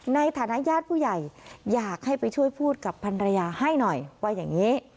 ในฐานะญาติผู้ใหญ่อยากให้ไปช่วยพูดกับพันรยาให้หน่อยว่าอย่างนี้